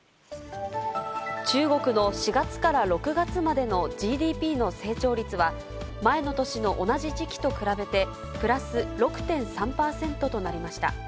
中国の４月から６月までのＧＤＰの成長率は、前の年の同じ時期と比べてプラス６．３％となりました。